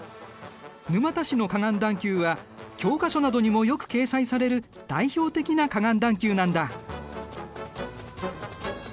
沼田市の河岸段丘は教科書などにもよく掲載される代表的な河岸段丘なんだ。